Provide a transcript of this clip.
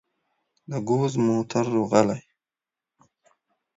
د ګوز موتر روغلى.